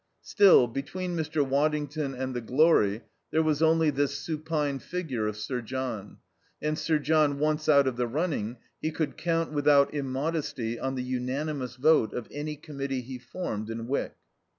Still, between Mr. Waddington and the glory there was only this supine figure of Sir John, and Sir John once out of the running he could count without immodesty on the unanimous vote of any committee he formed in Wyck.